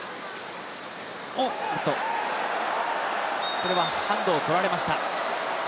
これはハンドを取られました。